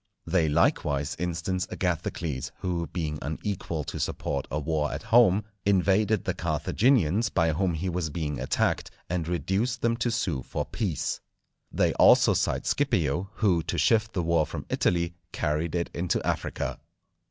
They likewise instance Agathocles, who, being unequal to support a war at home, invaded the Carthaginians, by whom he was being attacked, and reduced them to sue for peace. They also cite Scipio, who to shift the war from Italy, carried it into Africa.